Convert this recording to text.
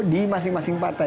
di masing masing partai